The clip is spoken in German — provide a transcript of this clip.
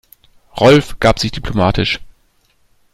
Rolf gab sich diplomatisch.